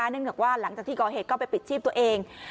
นั่นหมายถึงว่าหลังจากที่กอเหตุก็ไปปิดชีพตัวเอง